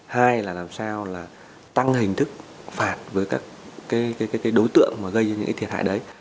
hai là làm sao là tăng hình thức phạt với các đối tượng mà gây ra những cái thiệt hại đấy